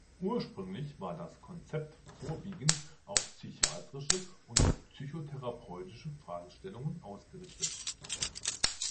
Ursprünglich war das Konzept vorwiegend auf psychiatrische und psychotherapeutische Fragestellungen ausgerichtet.